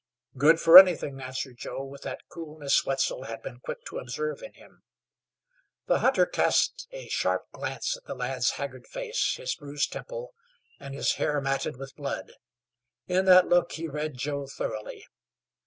"Good for anything," answered Joe, with that coolness Wetzel had been quick to observe in him. The hunter cast a sharp glance at the lad's haggard face, his bruised temple, and his hair matted with blood. In that look he read Joe thoroughly.